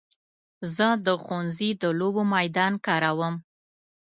زه د ښوونځي د لوبو میدان کاروم.